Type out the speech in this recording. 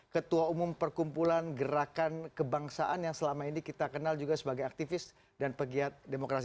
ketua umum perkumpulan gerakan kebangsaan yang selama ini kita kenal juga sebagai aktivis dan pegiat demokrasi